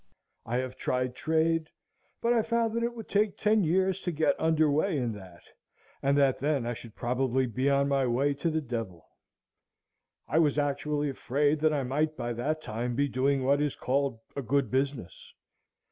I have tried trade; but I found that it would take ten years to get under way in that, and that then I should probably be on my way to the devil. I was actually afraid that I might by that time be doing what is called a good business.